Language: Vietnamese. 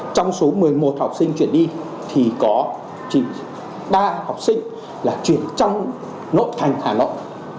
trong số một mươi một học sinh chuyển đi thì có ba học sinh là trường trong nội thành hà nội